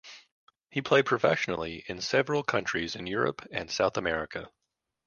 He played professionally in several countries in Europe and South America.